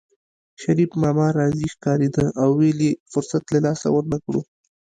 شريف ماما راضي ښکارېده او ویل یې فرصت له لاسه ورنکړو